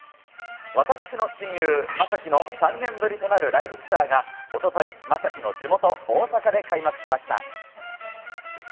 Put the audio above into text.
私の親友、将暉の３年ぶりとなるライブツアーが、おととい、将暉の地元、大阪で開幕しました。